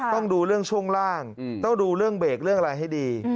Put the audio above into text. ต้องดูเรื่องช่วงล่างต้องดูเรื่องเบรกเรื่องอะไรให้ดี